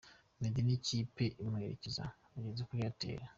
Meddy n'ikipe imuherekeza bageze kuri Airtel.